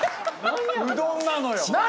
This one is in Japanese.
うどんなのよ！